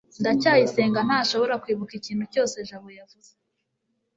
ndacyayisenga ntashobora kwibuka ikintu cyose jabo yavuze